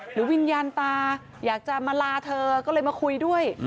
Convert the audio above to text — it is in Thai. วิญญาณตาอยากจะมาลาเธอก็เลยมาคุยด้วย